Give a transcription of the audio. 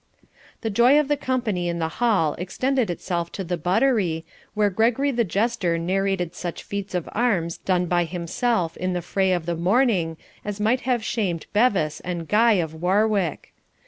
The joy of the company in the hall extended itself to the buttery, where Gregory the jester narrated such feats of arms done by himself in the fray of the morning as might have shamed Bevis and Guy of Warwick.